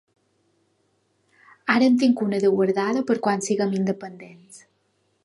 Ara en tinc una de guardada per quan siguem independents.